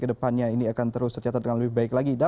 kepada indonesia untuk menjaga